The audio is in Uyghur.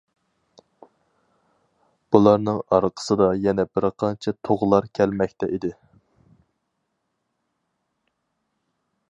بۇلارنىڭ ئارقىسىدا يەنە بىر قانچە تۇغلار كەلمەكتە ئىدى.